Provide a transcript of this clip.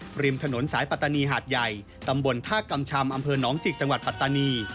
ริมถนนสายปัตตานีหาดใหญ่ตำบลท่ากำชำอำเภอหนองจิกจังหวัดปัตตานี